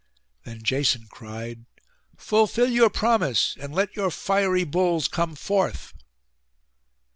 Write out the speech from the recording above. Then Jason cried, 'Fulfil your promise, and let your fiery bulls come forth.